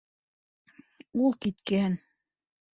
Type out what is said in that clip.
Ул киткән...